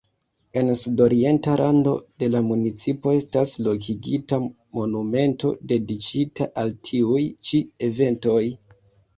En sudorienta rando de la municipo estas lokigita monumento dediĉita al tiuj ĉi eventoj.